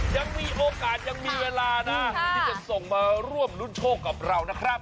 ยังมีโอกาสยังมีเวลานะที่จะส่งมาร่วมรุ้นโชคกับเรานะครับ